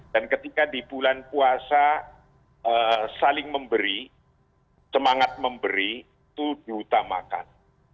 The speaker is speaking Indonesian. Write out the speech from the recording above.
dan ketika di bulan puasa saling memberi semangat memberi itu diutamakan